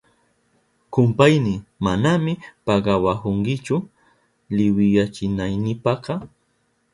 Kumpayni, manami pagawahunkichu liwiyachinaynipaka.